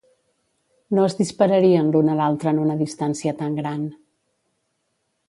No es dispararien l'un a l'altre en una distància tan gran.